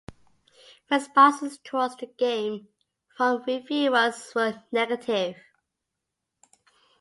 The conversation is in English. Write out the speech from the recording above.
Responses towards the game from reviewers were negative.